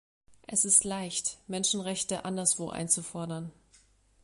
Es ist leicht, Menschenrechte anderswo einzufordern.